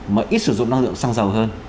mà ít sử dụng năng lượng xăng dầu hơn